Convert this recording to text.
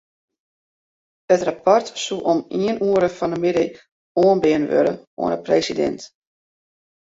It rapport soe om ien oere fan 'e middei oanbean wurde oan de presidint.